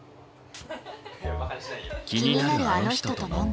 気になるあの人と飲んだ。